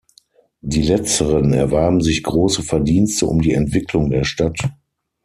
Die letzteren erwarben sich große Verdienste um die Entwicklung der Stadt.